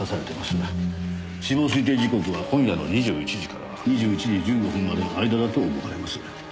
死亡推定時刻は今夜の２１時から２１時１５分までの間だと思われます。